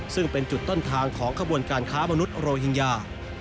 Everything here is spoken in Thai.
ซึ่งเป็นจุดต้นทางของขบวนการค้ามนุษยโรฮิงญา